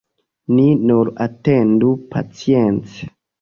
Ni nur atendu pacience!